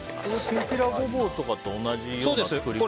きんぴらごぼうとかと同じような作り方？